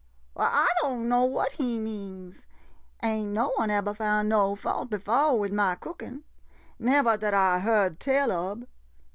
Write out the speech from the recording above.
Why, I don' know what he means. Ain' no one ebber found no fault befo' wid ma cookin' — nevah dat I heard tell ob.